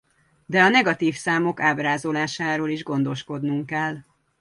De a negatív számok ábrázolásáról is gondoskodnunk kell.